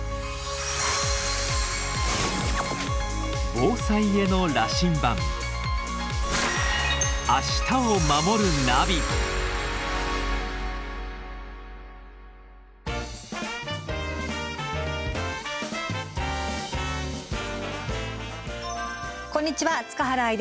防災への羅針盤こんにちは塚原愛です。